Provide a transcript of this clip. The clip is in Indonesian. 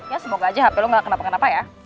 ya semoga aja hp lo gak kenapa kenapa ya